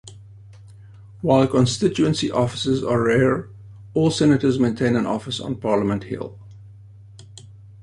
While constituency offices are rare, all senators maintain an office on Parliament Hill.